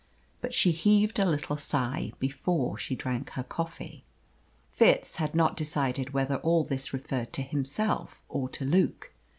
But she heaved a little sigh before she drank her coffee. Fitz had not decided whether all this referred to himself or to Luke.